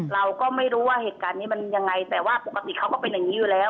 เราก็ไม่รู้ว่าเหตุการณ์นี้มันยังไงแต่ว่าปกติเขาก็เป็นอย่างนี้อยู่แล้ว